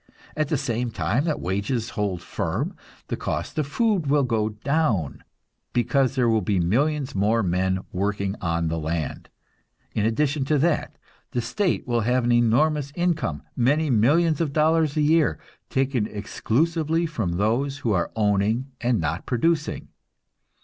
At the same time that wages hold firm, the cost of food will go down, because there will be millions more men working on the land. In addition to that, the state will have an enormous income, many millions of dollars a year, taken exclusively from those who are owning and not producing.